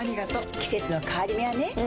季節の変わり目はねうん。